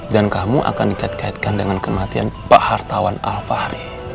dan kamu akan dikait kaitkan dengan kematian pak hartawan alfahri